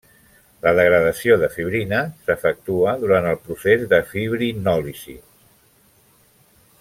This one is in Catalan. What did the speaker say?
La degradació de fibrina s’efectua durant el procés de fibrinòlisi.